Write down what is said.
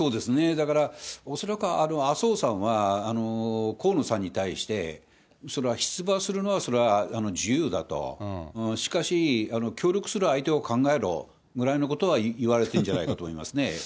だから、恐らく麻生さんは、河野さんに対して、それは出馬するのは、それは自由だと、しかし、協力する相手を考えろぐらいのことはいわれてるんじゃないかと思いますね。